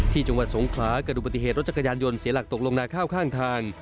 จังหวัดสงขลากระดูกปฏิเหตุรถจักรยานยนต์เสียหลักตกลงนาข้าวข้างทาง